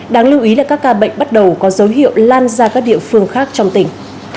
đáng lưu ý là các ca bệnh bắt đầu có dấu hiệu lan ra các địa phương khác trong tỉnh